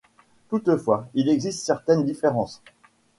Toutefois, il existe certaines différences.